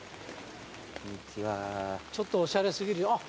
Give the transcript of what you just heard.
ちょっとおしゃれ過ぎるあっ